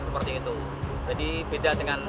seperti itu jadi beda dengan